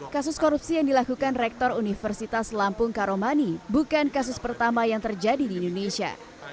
kasus korupsi yang dilakukan rektor universitas lampung karomani bukan kasus pertama yang terjadi di indonesia